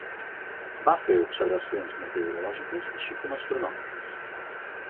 Va fer observacions meteorològiques així com astronòmiques.